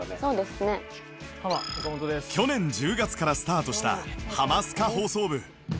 去年１０月からスタートした『ハマスカ放送部』